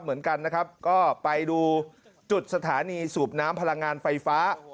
เหมือนกันนะครับก็ไปดูจุดสถานีสูบน้ำพลังงานไฟฟ้า